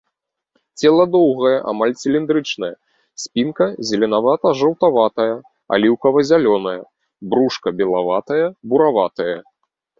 Цела доўгае, амаль цыліндрычнае, спінка зеленавата-жаўтаватая, аліўкава-зялёная, брушка белаватае, бураватае.